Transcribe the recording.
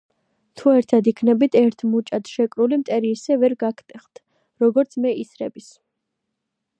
- თუ ერთად იქნებით, ერთ მუჭად შეკრული, მტერი ისე ვერ გაგტეხთ, როგორც მე ისრების